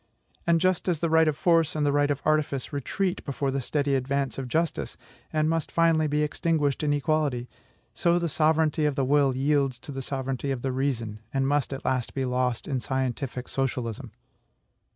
And just as the right of force and the right of artifice retreat before the steady advance of justice, and must finally be extinguished in equality, so the sovereignty of the will yields to the sovereignty of the reason, and must at last be lost in scientific socialism.